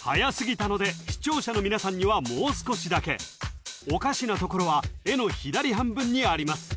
はやすぎたので視聴者の皆さんにはもう少しだけおかしなところは絵の左半分にあります